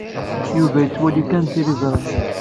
Yuba yettwali kan tiliẓri.